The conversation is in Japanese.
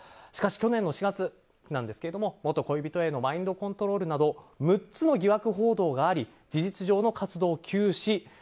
しかし去年４月、元恋人へのマインドコントロールなど６つの疑惑報道があり事実上の活動休止。